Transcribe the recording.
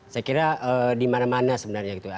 saya kira di mana mana sebenarnya gitu